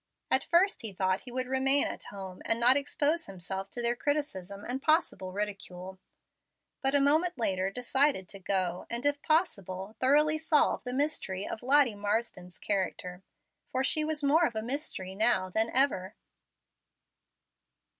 At first he thought he would remain at home, and not expose himself to their criticism and possible ridicule; but a. moment later determined to go and, if possible, thoroughly solve the mystery of Lottie Marsden's character; for she was more of a mystery now than ever.